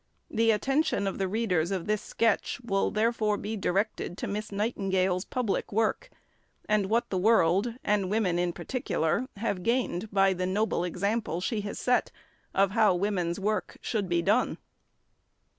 The attention of the readers of this sketch will therefore be directed to Miss Nightingale's public work, and what the world, and women in particular, have gained by the noble example she has set of how women's work should be done.